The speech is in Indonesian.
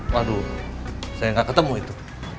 waduh saya nggak ketemu itu